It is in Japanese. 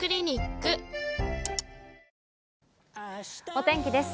お天気です。